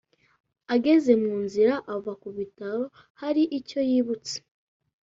ageze munzira ava kubitaro haricyo yibutse